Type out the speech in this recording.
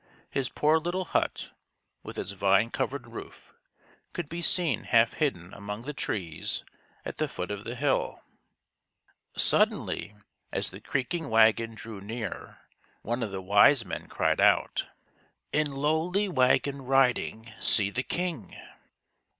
His poor little hut, with its vine covered roof, could be seen half hidden among trees at the foot of the hill. Suddenly, as the creaking wagon drew near, one of the wise men cried out: —" In lowly wagon riding, see the king